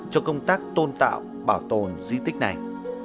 cho công tác tôn tạo bảo tồn di tích này